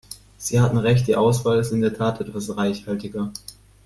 Sie hatten recht, die Auswahl ist in der Tat etwas reichhaltiger.